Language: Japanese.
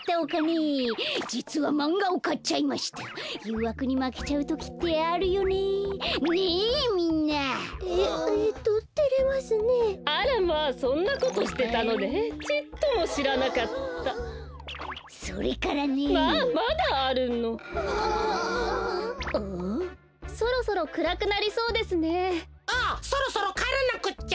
おおそろそろかえらなくっちゃ。